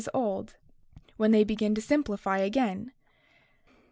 s old^ when they begin to simplify again.